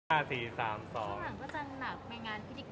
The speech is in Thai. ข้างหลังก็จะหนักในงานพิธีกรรม